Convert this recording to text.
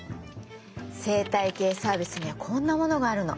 生態系サービスにはこんなものがあるの。